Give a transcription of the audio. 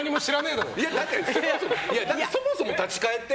だって、そもそも立ち返って。